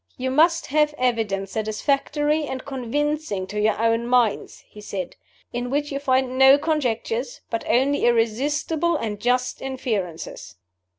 "You must have evidence satisfactory and convincing to your own minds," he said, "in which you find no conjectures but only irresistible and just inferences."